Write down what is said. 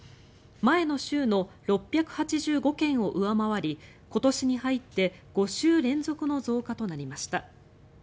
前の週の６８５件を上回り今年に入って５週連続の増加となりました。